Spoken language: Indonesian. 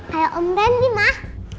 kayak om randy mas